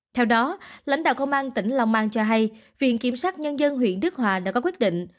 theo đó lãnh đạo công an tỉnh long an cho hay viện kiểm sát nhân dân huyện đức hòa đã có quyết định